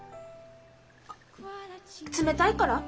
あっ冷たいから？